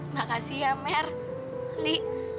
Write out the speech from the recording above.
makasih ya mer li